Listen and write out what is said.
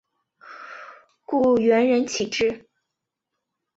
故园人岂知？